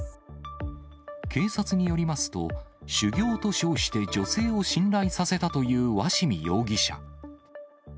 警察によりますと、修行と称して女性を信頼させたという鷲見容疑者。